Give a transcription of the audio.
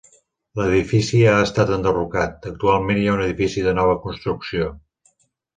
L'edifici ha estat enderrocat, actualment hi ha un edifici de nova construcció.